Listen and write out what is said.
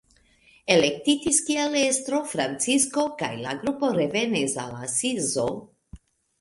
Elektitis kiel estro Francisko kaj la grupo revenis al Asizo.